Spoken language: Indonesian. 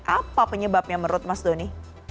apa penyebabnya menurut mas doni